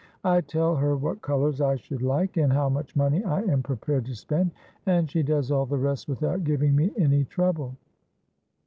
I tell her what colours I should like, and how much money I am pre pared to spend, and she does all the rest without giving me any trouble.'